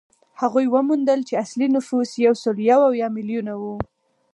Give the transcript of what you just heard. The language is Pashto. هغوی وموندل چې اصلي نفوس یو سل یو اویا میلیونه و